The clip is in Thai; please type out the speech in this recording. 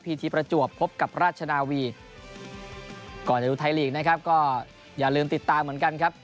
ทีประจวบพบกับราชนาวีก่อนจะดูไทยลีกนะครับก็อย่าลืมติดตามเหมือนกันครับ